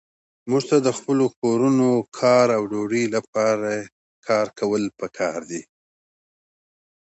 موږ ته د خپلو کورونو، کار او ډوډۍ لپاره کار کول پکار دي.